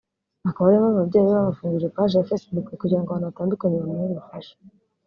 akaba ari yo mpamvu ababyeyi be bamufungurije paji ya facebook kugira ngo abantu batandukanye bamuhe ubufasha